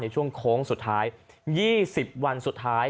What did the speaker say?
ช่วงโค้งสุดท้าย๒๐วันสุดท้าย